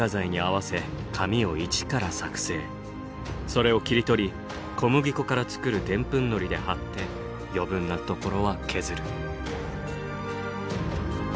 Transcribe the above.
それを切り取り小麦粉から作るでんぷんのりで貼って余分なところは削る。